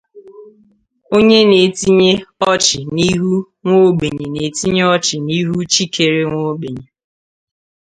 Onye na-etinye ọchị n'ihu nwaogbenye na-etinye ọchị n'ihu chi kere nwaogbenye.